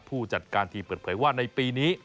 ผู้จัดการทีมเปิดเผยว่าในปีนี้